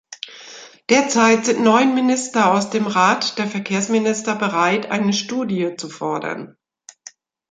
Derzeit sind neun Minister aus dem Rat der Verkehrsminister bereit, eine Studie zu fordern.